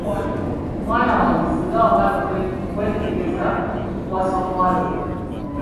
Mwana wange, singa wamala kwetegereza okuwasa omuwala oyo.